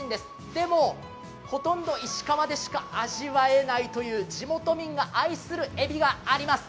でも、ほとんど石川でしか味わえないという地元民が愛するエビがあります。